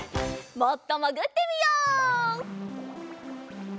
もっともぐってみよう。